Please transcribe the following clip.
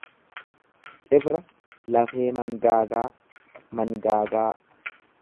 Cibra lafee mangaagaa, mangaagaa.